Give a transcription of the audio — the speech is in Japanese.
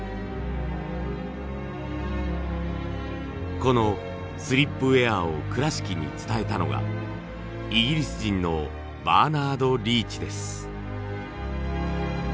このスリップウェアを倉敷に伝えたのがイギリス人のバーナード・リーチです。